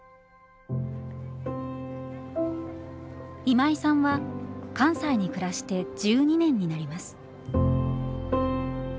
今井さんは関西に暮らして１２年になります。